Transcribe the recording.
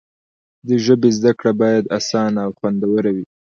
د ژبې زده کړه باید اسانه او خوندوره وي.